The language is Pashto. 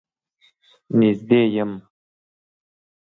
نږدې يم.